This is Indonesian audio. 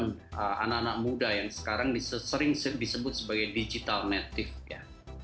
dan anak muda yang sekarang sering disebut sebagai digital native